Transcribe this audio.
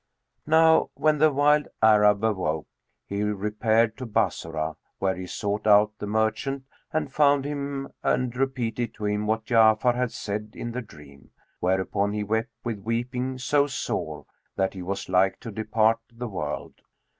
'" Now when the wild Arab awoke, he repaired to Bassorah, where he sought out the merchant and found him and repeated to him what Ja'afar had said in the dream; whereupon he wept with weeping so sore that he was like to depart the world.